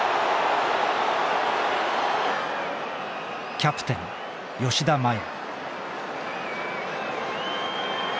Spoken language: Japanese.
キャプテン吉田麻也。